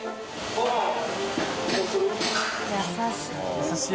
優しい！